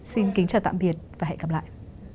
xin kính chào tạm biệt và hẹn gặp lại